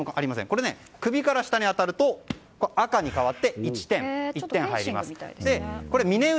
これが首から下に当たると赤に変わって１点が入ります。